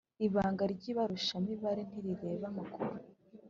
Ibanga ry ibarurishamibare ntirireba amakuru